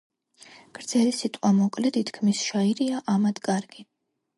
გრძელი სიტყვა მოკლედ ითქმის, შაირია ამად კარგი